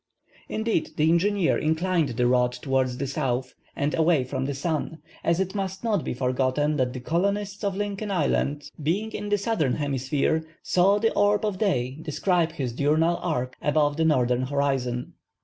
Indeed, the engineer inclined the rod towards the south or away from the sun, as it must not be forgotten that the colonists of Lincoln Island, being in the Southern Hemisphere, saw the orb of day describe his diurnal arc above the northern horizon.